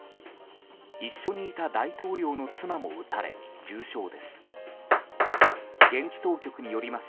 一緒にいた大統領の妻も撃たれ重傷です。